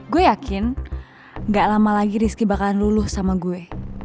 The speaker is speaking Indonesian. gue yakin gak lama lagi rizky bakalan luluh sama gue